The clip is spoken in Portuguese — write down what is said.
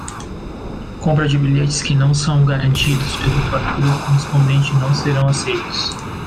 Compra de bilhetes que não são garantidos pela fatura correspondente não serão aceitos.